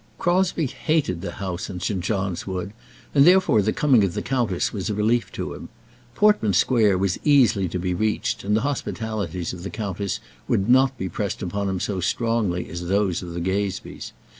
Crosbie hated the house in St. John's Wood, and therefore the coming of the countess was a relief to him. Portman Square was easily to be reached, and the hospitalities of the countess would not be pressed upon him so strongly as those of the Gazebees.